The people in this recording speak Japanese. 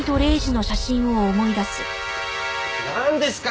なんですか？